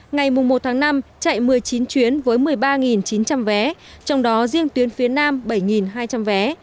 ngày một tháng năm chạy một mươi chín chuyến với một mươi ba chín trăm linh vé trong đó riêng tuyến phía nam bảy hai trăm linh vé